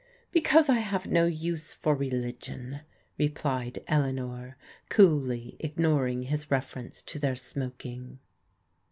" Because I have no use for religion," replied Eleanor, coolly ignoring his reference to their smoking.